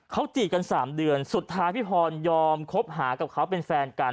เขาจีบกัน๓เดือนสุดท้ายพี่พรยอมคบหากับเขาเป็นแฟนกัน